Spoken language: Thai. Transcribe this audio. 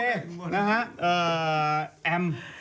โอเคเอ็ม